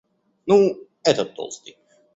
Ну, этот толстый.